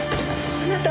あなた！